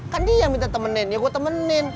kan dia yang minta temenin ya gue temenin